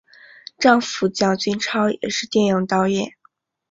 丈夫蒋君超也是电影导演。